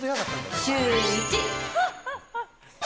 シューイチ。